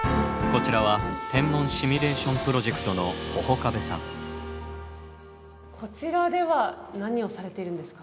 こちらはこちらでは何をされているんですか？